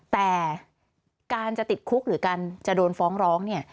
แต่การจะติดคุกหรือการจะโดนฟ้องร้องเนี่ย